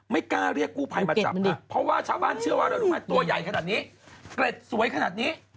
ไม่กล้าเรียกกู้ภัยมาจับดิเพราะว่าชาวบ้านเชื่อว่าอะไรรู้ไหมตัวใหญ่ขนาดนี้เกร็ดสวยขนาดนี้